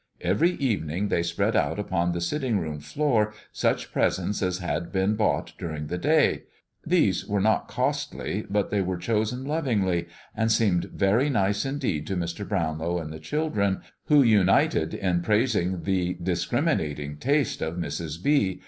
Every evening they spread out upon the sitting room floor such presents as had been bought during the day. These were not costly, but they were chosen lovingly, and seemed very nice indeed to Mr. Brownlow and the children, who united in praising the discriminating taste of Mrs. B.